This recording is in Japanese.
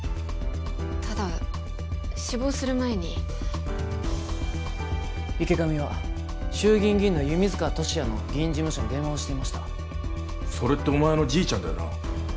ただ死亡する前に池上は衆議院議員の弓塚敏也の議員事務所に電話をしていましたそれってお前のじいちゃんだよな？